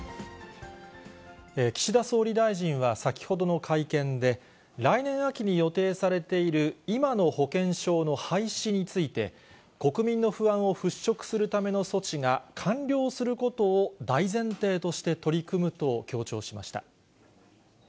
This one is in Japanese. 岸田総理大臣は先ほどの会見で、来年秋に予定されている今の保険証の廃止について、国民の不安を払拭するための措置が完了することを大前提として取り組むと強調しました。